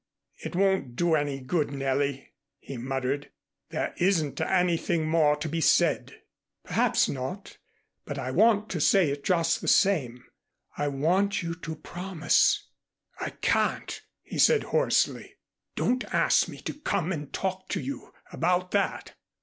"It won't do any good, Nellie," he muttered. "There isn't anything more to be said." "Perhaps not but I want to say it just the same. I want you to promise " "I can't," he said hoarsely. "Don't ask me to come and talk to you about that."